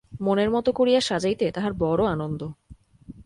মনের মতো করিয়া সাজাইতে তাঁহার বড়ো আনন্দ।